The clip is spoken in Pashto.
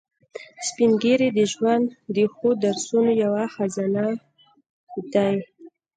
سپین ږیری د ژوند د ښو درسونو یو خزانه دي